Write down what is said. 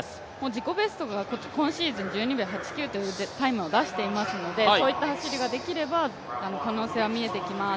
自己ベストが今シーズン１２秒８９を出していますのでそういった走りができれば可能性は見えてきます。